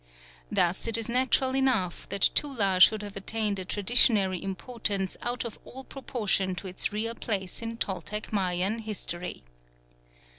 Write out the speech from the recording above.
Thus it is natural enough that Tula should have attained a traditionary importance out of all proportion to its real place in Toltec Mayan history.